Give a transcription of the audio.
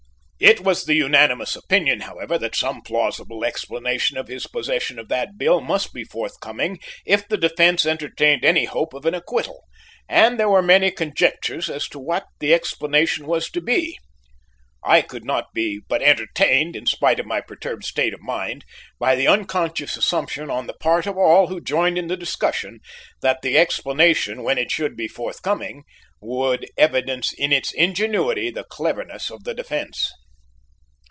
It was the unanimous opinion, however, that some plausible explanation of his possession of that bill must be forthcoming if the defence entertained any hope of an acquittal, and there were many conjectures as to what the explanation was to be. I could not but be entertained, in spite of my perturbed state of mind, by the unconscious assumption on the part of all who joined in the discussion that the explanation when it should be forthcoming, would evidence in its ingenuity the cleverness of the defence.